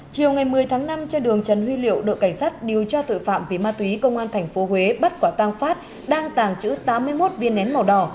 chiều ngày một mươi tháng năm trên đường trần huy liệu đội cảnh sát điều tra tội phạm về ma túy công an tp huế bắt quả tăng phát đang tàng trữ tám mươi một viên nén màu đỏ